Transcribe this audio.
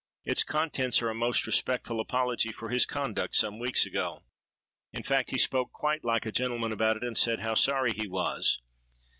'Its contents are a most respectful apology for his conduct some weeks ago. In fact, he spoke quite like a gentleman about it, and said how sorry he was.'